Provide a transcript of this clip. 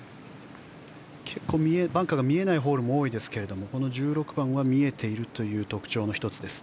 結構バンカーが見えないホールも多いですがこの１６番は見えているという特徴の１つです。